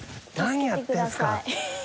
何やってんすか？